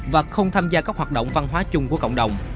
và không tham gia các hoạt động văn hóa chung của cộng đồng